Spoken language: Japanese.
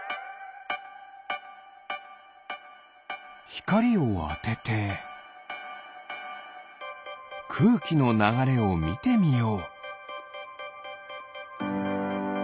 ひかりをあててくうきのながれをみてみよう。